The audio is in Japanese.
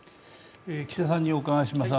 岸田さんにお伺いします。